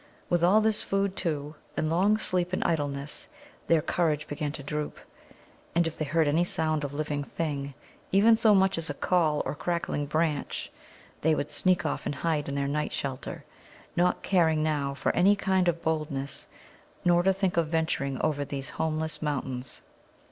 With all this food, too, and long sleep and idleness, their courage began to droop. And if they heard any sound of living thing, even so much as a call or crackling branch, they would sneak off and hide in their night shelter, not caring now for any kind of boldness nor to think of venturing over these homeless mountains.